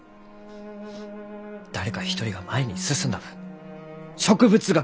誰か一人が前に進んだ分植物学も前に進む！